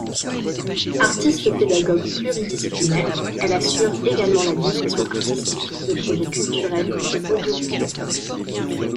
Artiste-pédagogue pluridisciplinaire, elle assure également la direction artistique de projets culturels ou audiovisuels.